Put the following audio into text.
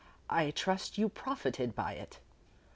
"I trust you profited by it?"